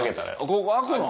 ここ開くの？